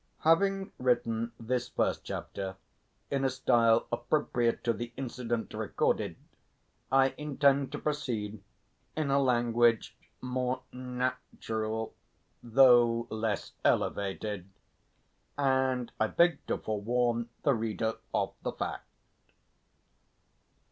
Having written this first chapter in a style appropriate to the incident recorded, I intend to proceed in a language more natural though less elevated, and I beg to forewarn the reader of the fact.